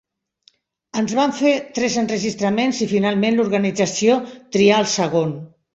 Es van fer tres enregistraments i finalment l'organització trià el segon.